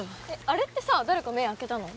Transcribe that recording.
あれってさ誰か目開けたの？